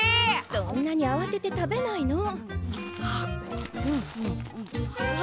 そんなにあわてて食べないの。